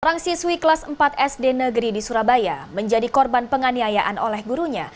orang siswi kelas empat sd negeri di surabaya menjadi korban penganiayaan oleh gurunya